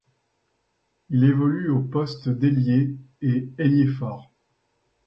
Il évolue au poste d'ailier et ailier fort.